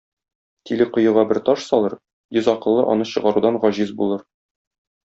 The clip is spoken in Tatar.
Тиле коега бер таш салыр, йөз акыллы аны чыгарудан гаҗиз булыр.